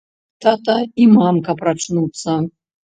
Тата і мамка прачнуцца.